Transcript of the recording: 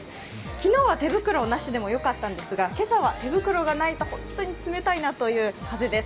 昨日は手袋なしでもよかったんですが、今朝は手袋がないと本当に冷たいなという風です。